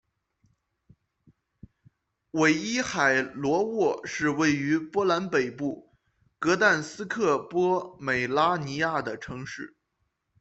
韦伊海罗沃是位于波兰北部格但斯克波美拉尼亚的城市。